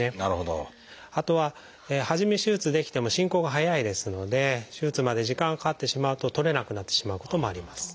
あとは初め手術できても進行が速いですので手術まで時間がかかってしまうと取れなくなってしまうこともあります。